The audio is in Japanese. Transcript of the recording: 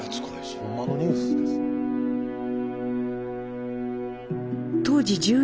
ほんまのニュースですか。